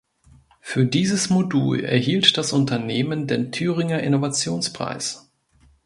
Für dieses Modul erhielt das Unternehmen den Thüringer Innovationspreis.